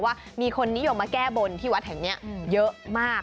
ว่ามีคนนิยมมาแก้บนที่วัดแห่งนี้เยอะมาก